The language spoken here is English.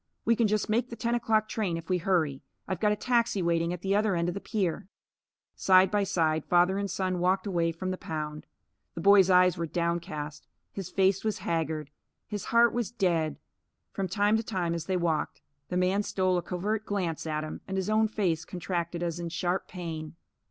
"We can just make the ten o'clock train, if we hurry. I've got a taxi waiting at the other end of the pier." Side by side, father and son walked away from the pound. The boy's eyes were downcast. His face was haggard. His heart was dead. From time to time, as they walked, the man stole a covert glance at him, and his own face contracted as in sharp pain.